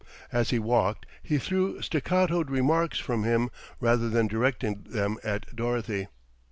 As he walked he threw staccatoed remarks from him rather than directed them at Dorothy.